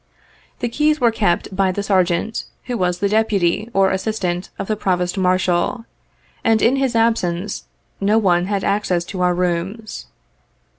The keys were kept by the Sergeant, who was the deputy, or assistant, of the Provost Marshal, and, in his absence, no one had access to our rooms.